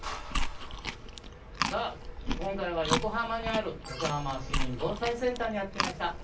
今回は、横浜にある横浜市民防災センターにやってきました。